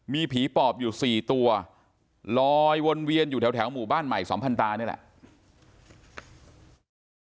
มีผีปอบอยู่๔ตัวลอยวนเวียนอยู่แถวหมู่บ้านใหม่สัมพันธานี่แหละ